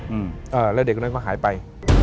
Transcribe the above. อืมเออแล้วเด็กนั้นก็หายไป